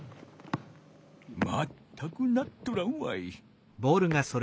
まったくなっとらんわい。